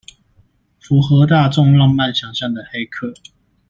符合大眾浪漫想像的黑客